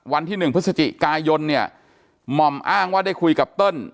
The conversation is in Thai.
วันที่๑พฤศจิกายนเนี่ยหม่อมอ้างว่าได้คุยกับเติ้ล